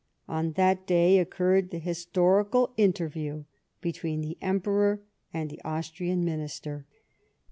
On that day occurred the historical interview between the Emperor and the Austrian Minister.